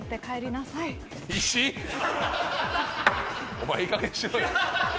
お前いいかげんにしろよ。